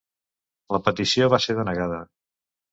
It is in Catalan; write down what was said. La petició va ser denegada.